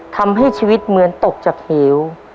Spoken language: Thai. ทำให้ชีวิตเหมือนตกจากผิว